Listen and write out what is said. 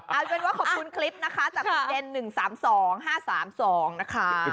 เอาเป็นว่าขอบคุณคลิปนะคะจากคุณเดน๑๓๒๕๓๒นะคะ